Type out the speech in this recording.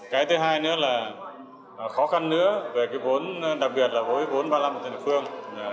cái thứ hai nữa là khó khăn nữa về cái vốn đặc biệt là vốn ba mươi năm tỉnh phương